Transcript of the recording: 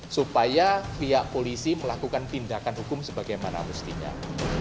supaya pihak polisi melakukan tindakan hukum sebagaimana harus tindak